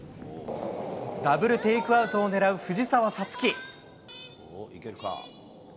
ダブルテイクアウトを狙う藤澤五月。